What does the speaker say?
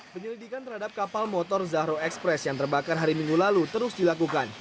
penyelidikan terhadap kapal motor zahro express yang terbakar hari minggu lalu terus dilakukan